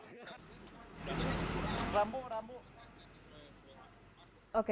kita harus tetap berhenti untuk mengelola